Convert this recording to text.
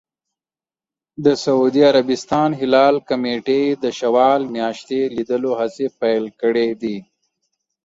د سعودي عربستان هلال کمېټې د شوال میاشتې لیدلو هڅې پیل کړې دي.